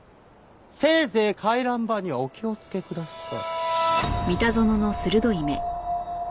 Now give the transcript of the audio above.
せいぜい回覧板にはお気をつけください。